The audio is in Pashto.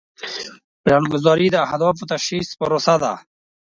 پلانګذاري د اهدافو د تشخیص پروسه ده.